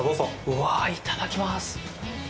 うわぁ、いただきます！